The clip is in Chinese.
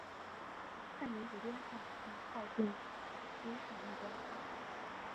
碳原子编号从靠近羰基的一端开始。